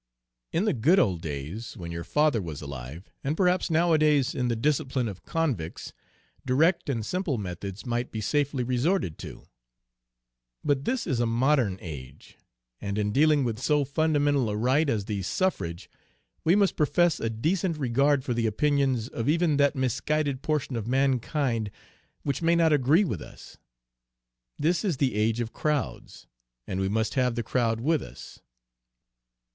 In the good old days when your father was alive, and perhaps nowadays in the discipline of convicts, direct and simple methods might be safely resorted to; but this is a modern age, and in dealing with so fundamental a right as the suffrage we must profess a decent regard for the opinions of even that misguided portion of mankind which may not agree with us. This is the age of crowds, and we must have the crowd with us."